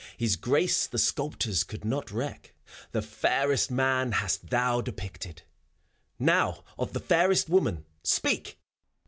His grace the sculptors could not wreak. The fairest Man hast thou depicted, Now of the fairest Woman speak!